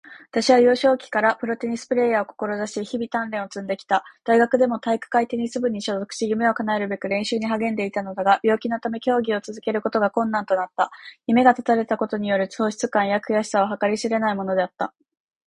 私は幼少期からプロテニスプレイヤーを志し、日々鍛錬を積んできた。大学でも体育会テニス部に所属し、夢を叶えるべく練習に励んでいたのだが、病気のため競技を続けることが困難となった。夢が断たれたことによる喪失感や悔しさは計り知れないものであった。